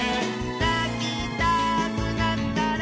「なきたくなったら」